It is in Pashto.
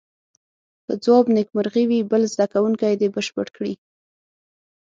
که ځواب نیمګړی وي بل زده کوونکی دې بشپړ کړي.